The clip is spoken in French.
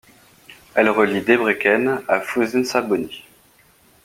Elle relie Debrecen à Füzesabony.